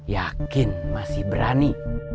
yakin masih berani